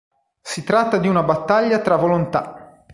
Si tratta di una battaglia tra volontà.